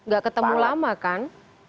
gak ketemu lama kan